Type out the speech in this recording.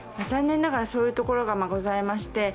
残念ながらそういうところがございました、